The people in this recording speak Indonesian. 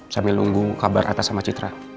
sambil nunggu kabar atas sama citra